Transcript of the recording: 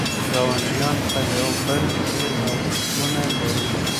ګاونډيان په يوه بل ډېر حقونه لري.